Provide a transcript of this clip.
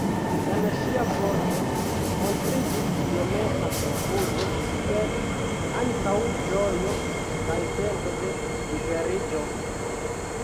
En ŝia voĉo montriĝis iometa konfuzo, sed ankaŭ ĝojo kaj sento de liberiĝo.